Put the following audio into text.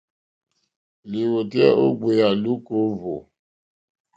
Lìwòtéyá ó gbèyà lùúkà ó hwò.